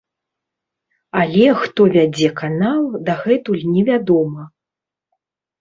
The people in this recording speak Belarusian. Але хто вядзе канал, дагэтуль невядома.